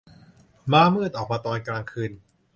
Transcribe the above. ม้ามืด ออกมาตอนกลางคืน